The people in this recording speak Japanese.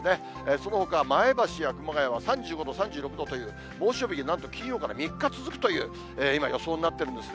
そのほかは前橋や熊谷は３５度、３６度という、猛暑日、なんと金曜日から３日続くという、今予想になっているんですね。